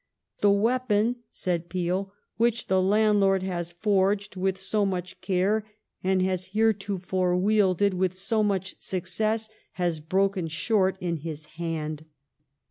The " weapon," said Peel, " which the land lord has forged with so much care and has heretofore wielded with so much success has broken short in his hand